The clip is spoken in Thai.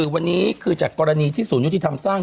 วันนี้คือจากกรณีที่ศูนยุติธรรมสร้าง